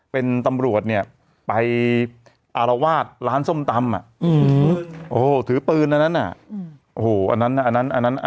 เป็นตำรวจเนี่ยไปอารวาสร้านส้มตำถือปืนอันนั้นอ่ะ